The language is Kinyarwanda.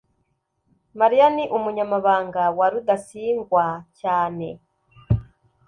mariya ni umunyamabanga wa rudasingwa cyane